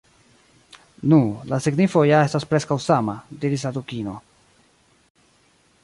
"Nu, la signifo ja estas preskaŭ sama," diris la Dukino